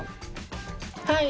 はい。